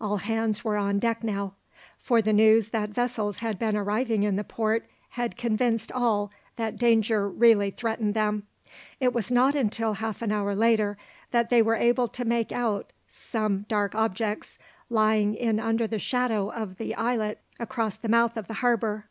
All hands were on deck now, for the news that vessels had been arriving in the port had convinced all that danger really threatened them. It was not until half an hour later that they were able to make out some dark objects, lying in under the shadow of the islet across the mouth of the harbour.